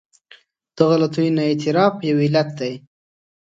د غلطیو نه اعتراف یو علت دی.